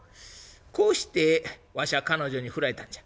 「こうしてわしゃ彼女にふられたんじゃ。